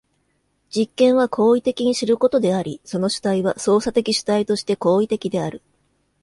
実験は行為的に知ることであり、その主体は操作的主体として行為的である。